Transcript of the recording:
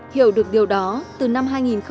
hiểu được điều đó từ năm hai nghìn một mươi